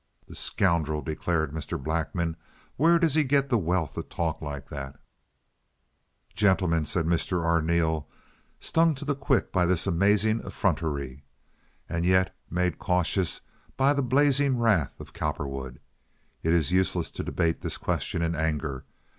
"The scoundrel!" declared Mr. Blackman. "Where does he get the wealth to talk like that?" "Gentlemen," said Mr. Arneel, stung to the quick by this amazing effrontery, and yet made cautious by the blazing wrath of Cowperwood, "it is useless to debate this question in anger.